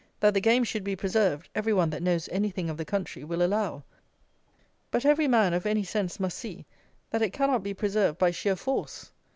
That the game should be preserved, every one that knows anything of the country will allow; but every man of any sense must see that it cannot be preserved by sheer force.